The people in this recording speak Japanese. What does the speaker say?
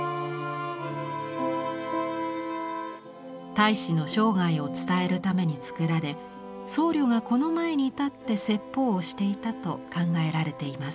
太子の生涯を伝えるために作られ僧侶がこの前に立って説法をしていたと考えられています。